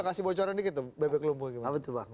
kasih bocoran dikit bebek lumpuh